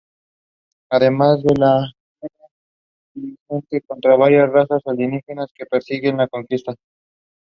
The first civilian casualties of the war were produced there.